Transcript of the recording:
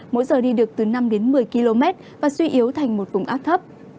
mỗi giờ đi được từ năm đến một mươi km và suy yếu thành một vùng áp thấp